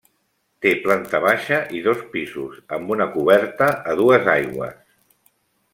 Té planta baixa i dos piso, amb una coberta a dues aigües.